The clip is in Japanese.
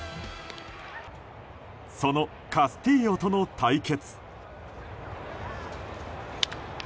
そのカスティーヨとの対決。